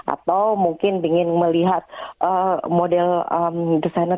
atau mungkin ingin melihat model desainer